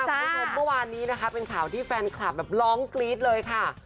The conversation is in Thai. คุณผู้ชมเมื่อวานนี้นะคะเป็นข่าวที่แฟนคลับแบบร้องกรี๊ดเลยค่ะ